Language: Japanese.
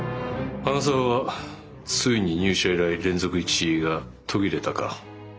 花澤はついに入社以来連続１位が途切れたか。